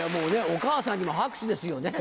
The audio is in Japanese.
お母さんにも拍手ですよね。